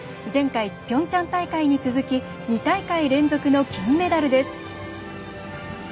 前回ピョンチャン大会に続き２大会連続の金メダルです。